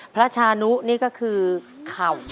พระชานุนี่ก็คือเข่า